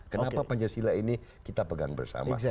kenapa pancasila ini kita pegang bersama